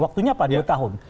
kenapa dua tahun